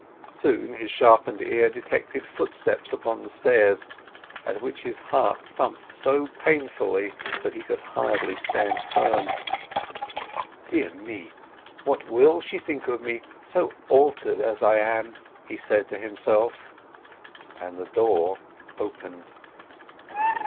Soon his sharpened ear detected footsteps upon the stairs, at which his heart thumped so painfully that he could hardly stand firm. "Dear me! what will she think of me, so altered as I am!" he said to himself; and the door opened.